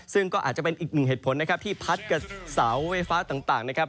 ซึ่งก็อาจจะเป็นอีกหนึ่งเหตุผลนะครับที่พัดกับเสาไฟฟ้าต่างนะครับ